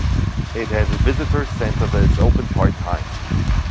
It has a visitor center that is open part-time.